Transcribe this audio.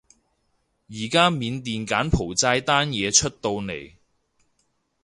而家緬甸柬埔寨單嘢出到嚟